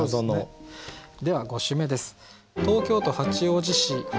では５首目です。